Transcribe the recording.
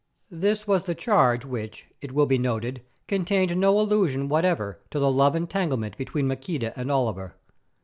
This was the charge which, it will be noted, contained no allusion whatever to the love entanglement between Maqueda and Oliver.